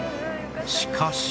しかし